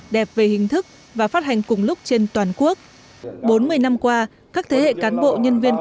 đẹp về hình thức và phát hành cùng lúc trên toàn quốc bốn mươi năm qua các thế hệ cán bộ nhân viên